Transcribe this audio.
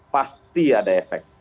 pasti ada efek